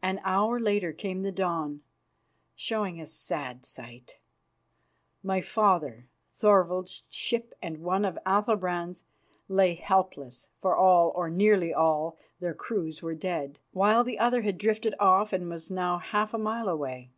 An hour later came the dawn, showing a sad sight. My father, Thorvald's, ship and one of Athalbrand's lay helpless, for all, or nearly all, their crews were dead, while the other had drifted off and was now half a mile away.